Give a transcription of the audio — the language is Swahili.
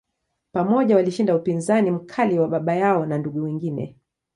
Pamoja, walishinda upinzani mkali wa baba yao na ndugu wengine.